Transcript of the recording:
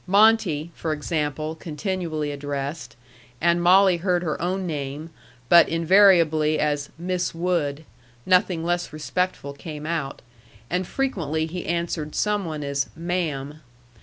"Monte," for example, continually addressed, and Molly heard her own name, but invariably as "Miss Wood"; nothing less respectful came out, and frequently he answered some one as "ma'am."